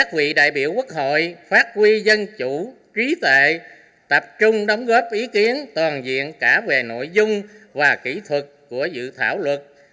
quốc hội phát huy dân chủ trí tệ tập trung đóng góp ý kiến toàn diện cả về nội dung và kỹ thuật của dự thảo luật